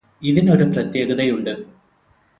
ഇതിനൊരു പ്രത്യേകതയുണ്ട്